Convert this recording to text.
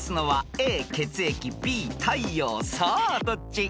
［さあどっち？］